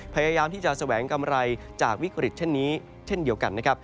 พยายามที่จะแสวงกำไรจากวิกฤตเช่นนี้เช่นเดียวกันนะครับ